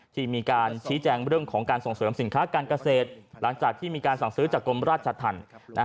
ที่มีการชี้แจงเรื่องของการส่งเสริมสินค้าการเกษตรหลังจากที่มีการสั่งซื้อจากกรมราชธรรม